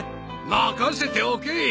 任せておけ！